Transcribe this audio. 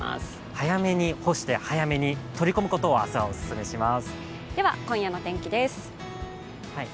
早めに干して、早めに取り込むことを明日はオススメします。